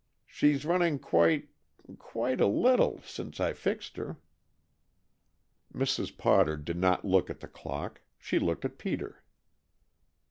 She's running quite quite a little, since I fixed her." Mrs. Potter did not look at the clock. She looked at Peter.